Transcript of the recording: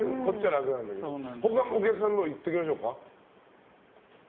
他のお客さんのもいってみましょうか。